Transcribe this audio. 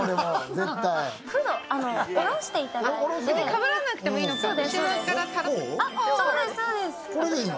かぶらなくてもいいのか。